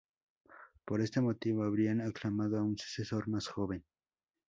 Por este motivo, habrían aclamado a un sucesor más joven.